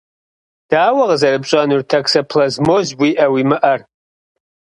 Дауэ къызэрыпщӏэнур токсоплазмоз уиӏэ-уимыӏэр?